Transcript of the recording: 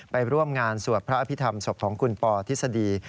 ไปร่วมงานสวดพระอภิษฐรรมศพของคุณปอทฤษฎี